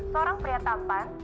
seorang pria tampan